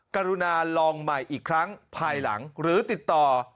กรุณาลองใหม่อีกครั้งภายหลังหรือติดต่อ